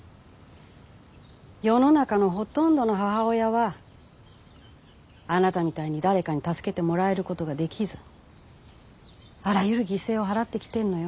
世の中のほとんどの母親はあなたみたいに誰かに助けてもらえることができずあらゆる犠牲を払ってきてんのよ。